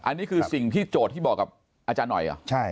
อันนี้คือสิ่งที่โจทย์ที่บอกกับอาจารย์หน่อยเหรอ